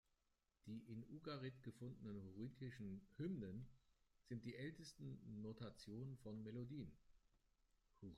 Die in Ugarit gefundenen Hurritischen Hymnen sind die ältesten Notationen von Melodien.